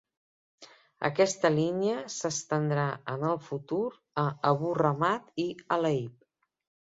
Aquesta línia s'estendrà en el futur a Abu Ramad i Hala'ib.